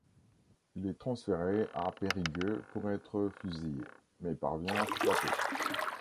Il est transféré à Périgueux pour être fusillé, mais il parvient à s'échapper.